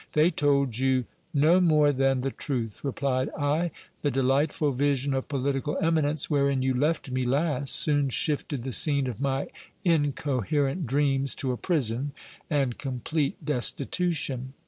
They told you no more than the truth, replied I : the delightful vision of political eminence wherein you left me last, soon shifted the scene of my incoherent dreams to a prison and complete destitution.